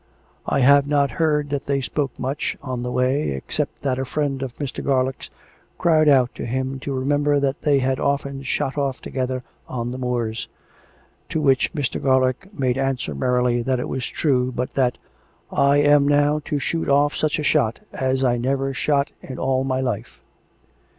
I have not heard that they spoke much on the way, except that a friend of Mr. Garlick's cried out to him to remember that they had often shot off together on the moors; to which Mr. Garlick made answer merrily that it was true ; but that ' I am now to shoot off such a shot as I never shot in all my life.'